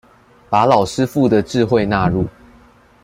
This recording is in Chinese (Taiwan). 把老師傅的智慧納入